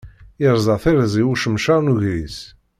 Iṛẓa tiṛẓi ucemcaṛ n ugris.